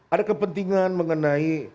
ada kepentingan mengenai